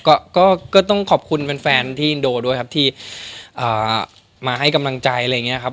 ก็ก็ต้องขอบคุณแฟนที่อินโดด้วยครับที่มาให้กำลังใจอะไรอย่างเงี้ยครับ